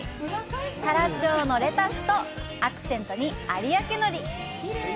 太良産のレタスとアクセントに有明のり！